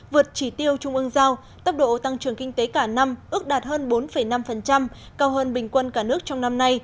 vượt chỉ tiêu trung ương giao tốc độ tăng trưởng kinh tế cả năm ước đạt hơn bốn năm cao hơn bình quân cả nước trong năm nay